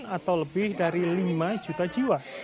atau lebih dari lima juta jiwa